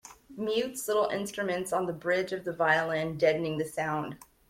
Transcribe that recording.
Mutes little instruments on the bridge of the violin, deadening the sound.